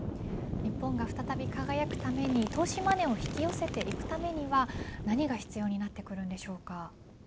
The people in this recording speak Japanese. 日本が再び輝くために投資マネーを引き寄せていくためには何が必要でしょうか。